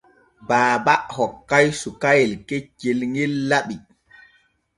Baaba hokkay sukayel keccel ŋel laɓi.